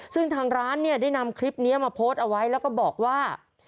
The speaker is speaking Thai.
ซึ่งทางร้านเนี่ยได้นำคลิปนี้มาโพสต์เอาไว้แล้วก็บอกว่า